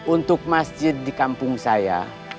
untuk masjid di kampung saya